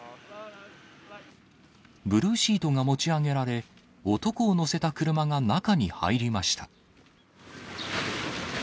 ブルーシートが持ち上げられ、男を乗せた車が中に入りました。